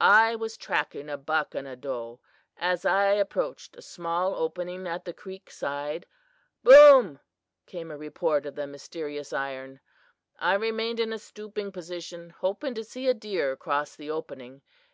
"I was tracking a buck and a doe. As I approached a small opening at the creek side 'boom!' came a report of the mysterious iron. I remained in a stooping position, hoping to see a deer cross the opening.